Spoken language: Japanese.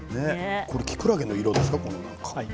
きくらげの色ですか？